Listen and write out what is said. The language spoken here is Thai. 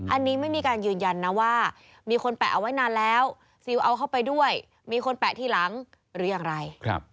อันนี้ไม่มีการยืนยันนะว่ามีคนแปะเอาไว้นานแล้วซิลเอาเข้าไปด้วยมีคนแปะทีหลังหรืออย่างไร